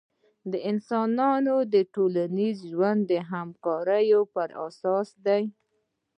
د انسانانو ټولنیز ژوند د همکارۍ پراساس دی.